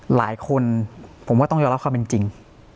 หลายคนผมว่าต้องยอมรับความเป็นจริง